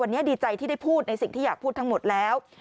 วันนี้ดีใจที่ได้พูดในสิ่งที่อยากพูดทั้งหมดแล้ว